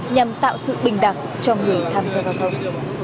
nhằm tạo sự bình đẳng cho người tham gia giao thông